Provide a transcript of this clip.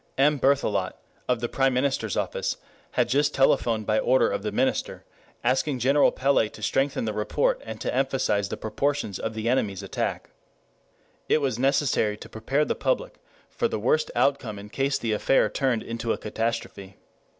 M. Berthelot, of the Prime Minister's office, had just telephoned by order of the minister asking General Pellé to strengthen the report and to emphasize the proportions of the enemy's attack. It was necessary to prepare the public for the worst outcome in case the affair turned into a catastrophe.